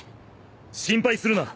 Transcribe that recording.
心配するな。